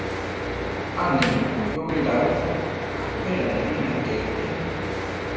A ne mokoyówe ra ru, apéla nalína ké ité.